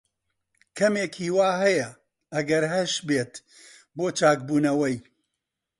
کەمێک ھیوا ھەیە، ئەگەر ھەشبێت، بۆ چاکبوونەوەی.